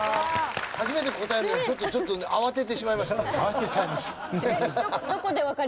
初めて答えるのにちょっと慌ててしまいましたね。